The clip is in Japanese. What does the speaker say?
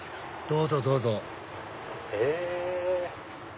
どうぞどうぞへぇ。